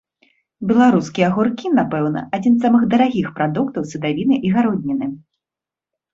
Беларускія агуркі, напэўна, адзін з самых дарагіх прадуктаў з садавіны і гародніны.